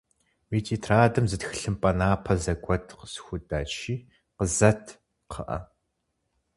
Уи тетрадым зы тхылъымпӏэ напэ зэгуэт къысхудэчи къызэт, кхъыӏэ.